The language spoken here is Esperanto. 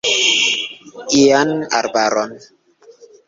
Ian arbaron.